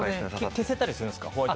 消せたりするんですか？